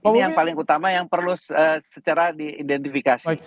ini yang paling utama yang perlu secara diidentifikasi